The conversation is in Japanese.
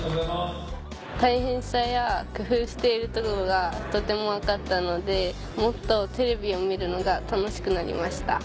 大変さや工夫しているところがとても分かったのでもっとテレビを見るのが楽しくなりました。